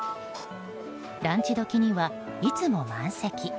ランチ時にはいつも満席。